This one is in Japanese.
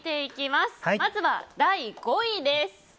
まずは第５位です。